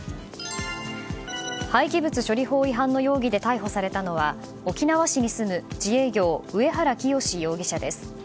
廃棄物処理法違反の容疑者で逮捕されたのは沖縄市に住む自営業上原清容疑者です。